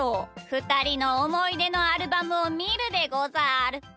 ふたりのおもいでのアルバムをみるでござる。